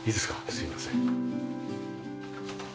すいません。